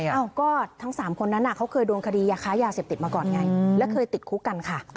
เอ้าก็ทั้ง๓คนนั้นเขาเคยโดนคดียาค้ายาเสพติดมาก่อนไงและเคยติดคุกกันค่ะ